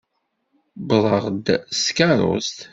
Wwḍeɣ-d s tkeṛṛust.